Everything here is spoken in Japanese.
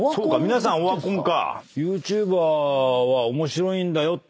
皆さんオワコンか。